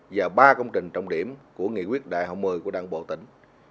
và ba công trình trọng điểm của nghị quyết đại hội một mươi của đảng bộ tỉnh